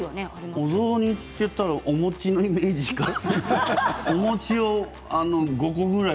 お雑煮といったらお餅のイメージしかない。